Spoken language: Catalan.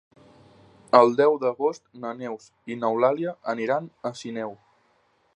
El deu d'agost na Neus i n'Eulàlia aniran a Sineu.